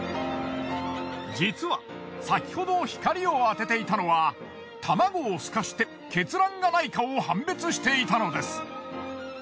実は先ほど光を当てていたのは卵を透かして血卵がないかを判別していたのです。